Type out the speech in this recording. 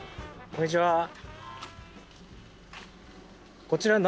こんにちは。